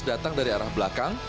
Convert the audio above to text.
datang dari arah belakang